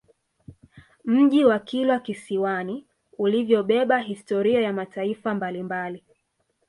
Mji wa Kilwa Kisiwani ulivyobeba historia ya mataifa mbalimbali